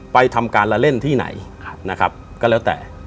ไปทำการและเล่นที่ไหนก็แล้วแต่